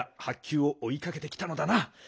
はっきゅうをおいかけてきたのだな。